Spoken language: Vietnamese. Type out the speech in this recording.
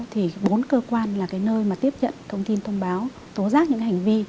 thì bốn cơ quan là cái nơi mà tiếp nhận thông tin thông báo tố giác những cái hành vi